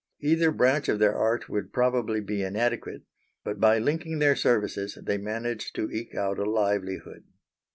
Either branch of their art would probably be inadequate; but by linking their services they managed to eke out a livelihood.